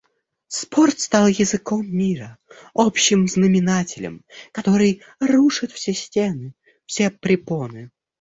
«Спорт стал языком мира, общим знаменателем, который рушит все стены, все препоны...